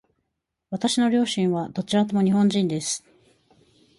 私の両親はどちらとも日本人です。